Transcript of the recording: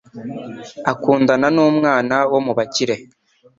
akundana numwana wo mubakire